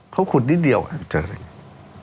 เขาขุดนิดเดียวเจอแสง